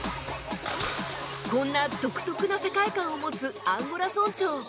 こんな独特な世界観を持つアンゴラ村長